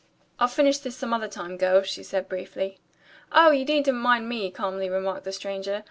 "I'll finish this some other time, girls," she said briefly. "Oh, you needn't mind me," calmly remarked the stranger.